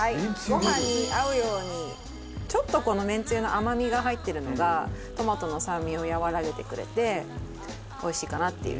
ご飯に合うようにちょっとこのめんつゆの甘みが入ってるのがトマトの酸味を和らげてくれておいしいかなっていう。